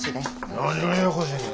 何がややこしいねん。